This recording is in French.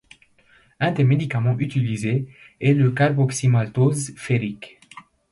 Un des médicaments utilisés est le carboxymaltose ferrique.